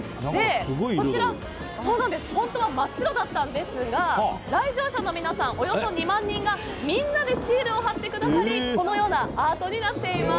こちら本当は真っ白だったそうなんですが来場者の皆さん、およそ２万人がみんなでシールを貼ってくださりこのようなアートになっています。